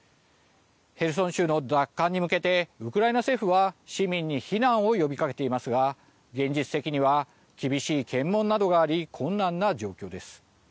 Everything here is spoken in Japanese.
ヘルソン州の奪還に向けてウクライナ政府は市民に避難を呼びかけていますが現実的には厳しい検問などがあり困難な状況です。